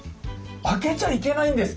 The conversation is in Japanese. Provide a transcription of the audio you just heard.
開けちゃいけないんですか？